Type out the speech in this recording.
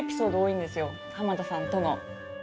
浜田さんとの。